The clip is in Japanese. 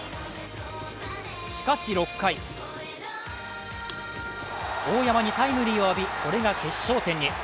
しかし６回大山にタイムリーを浴びこれが決勝点に。